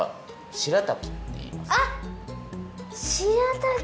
しらたき。